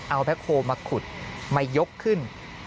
เอาแบ็คโฮลมาขุดมายกขึ้น